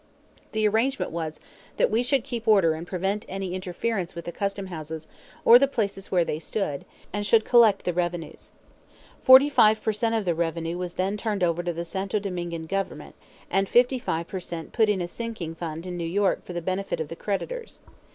The arrangement was that we should keep order and prevent any interference with the custom houses or the places where they stood, and should collect the revenues. Forty five per cent of the revenue was then turned over to the Santo Domingan Government, and fifty five per cent put in a sinking fund in New York for the benefit of the creditors.